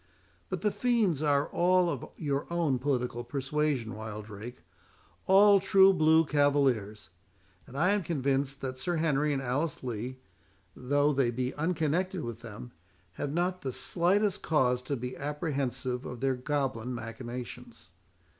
But the fiends are all of your own political persuasion, Wildrake, all true blue cavaliers; and I am convinced, that Sir Henry and Alice Lee, though they be unconnected with them, have not the slightest cause to be apprehensive of their goblin machinations.